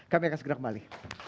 kami akan segera kembali